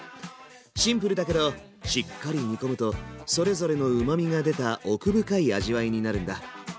シンプルだけどしっかり煮込むとそれぞれのうまみが出た奥深い味わいになるんだ。